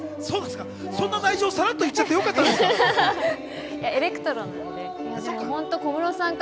そんな内情をさらっと言っちゃってよかったんですか？